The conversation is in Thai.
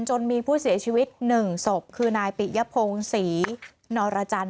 จนมีผู้เสียชีวิต๑ศพคือนายปิยพงศรีนรจันท